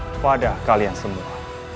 kepada kalian semua